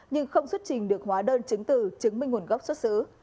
nhưng không xuất trình được hóa đơn chứng từ chứng minh nguồn gốc xuất xứ